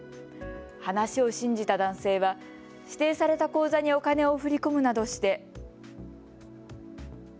話を信じた男性は指定された口座にお金を振り込むなどして。